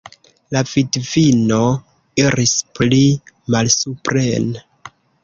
La vidvino iris pli malsupren.